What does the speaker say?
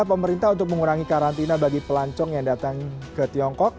pemerintah untuk mengurangi karantina bagi pelancong yang datang ke tiongkok